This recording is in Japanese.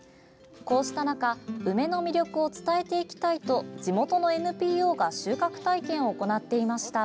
こうした中梅の魅力を伝えていきたいとＮＰＯが収穫体験を行っていました。